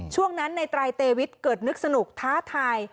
ช่วงนั้นในไตรเตวิทเกิดนึกสนุกท้าทาย